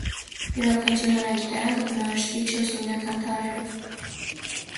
Իւրաքանչիւր հանրագիտարան կը բնորոշուի չորս հիմնական տարրերով։